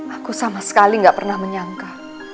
aku sama sekali gak pernah menyangka